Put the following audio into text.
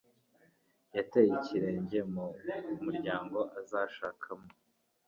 Yateye ikirenge mu muryango azashakamo